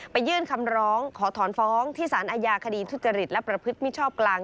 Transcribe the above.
ยื่นคำร้องขอถอนฟ้องที่สารอาญาคดีทุจริตและประพฤติมิชชอบกลาง